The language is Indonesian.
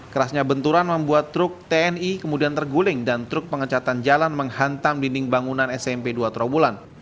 kerasnya benturan membuat truk tni kemudian terguling dan truk pengecatan jalan menghantam dinding bangunan smp dua trawulan